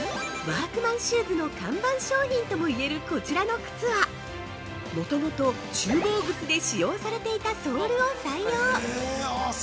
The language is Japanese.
◆ワークマンシューズの看板商品ともいえるこちらの靴はもともと厨房靴で使用されていたソールを採用。